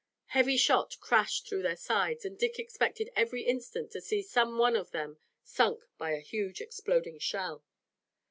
Heavy shot crashed through their sides, and Dick expected every instant to see some one of them sunk by a huge exploding shell.